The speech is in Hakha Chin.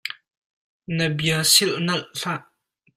Na bia silh nalh hlah.